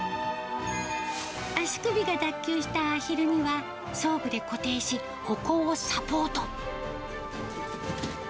足首が脱臼したアヒルには、装具で固定し、歩行をサポート。